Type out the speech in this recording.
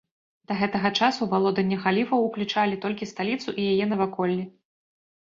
Да гэтага часу валодання халіфаў ўключалі толькі сталіцу і яе наваколлі.